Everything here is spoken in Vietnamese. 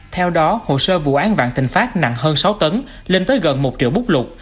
theo đó hồ sơ vụ án vạn thịnh pháp nặng hơn sáu tấn lên tới gần một triệu bút lục